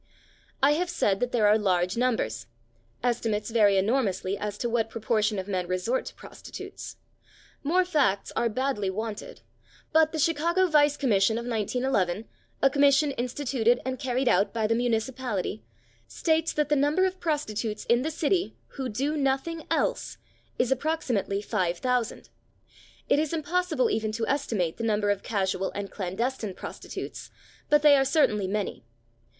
I have said that there are large numbers. Estimates vary enormously as to what proportion of men resort to prostitutes. More facts are badly wanted, but the Chicago Vice Commission of 1911, a commission instituted and carried out by the municipality, states that the number of prostitutes in the city who do nothing else is approximately 5000. It is impossible even to estimate the number of casual and clandestine prostitutes, but they are certainly many.